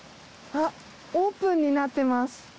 あっオープンになってます。